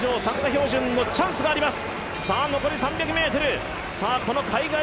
標準のチャンスがあります。